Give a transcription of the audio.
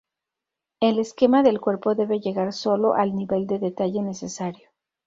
El esquema del cuerpo debe llegar solo al nivel de detalle necesario.